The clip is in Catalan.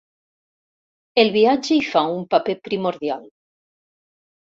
El viatge hi fa un paper primordial.